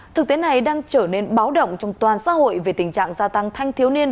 thực tế này đang trở nên báo động trong toàn xã hội về tình trạng gia tăng thanh thiếu niên